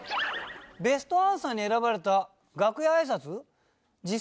ベストアンサーに選ばれた楽屋挨拶。